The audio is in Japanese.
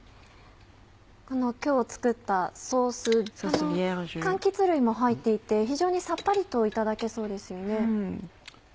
この今日作ったソース柑橘類も入っていて非常にさっぱりといただけそうですよね。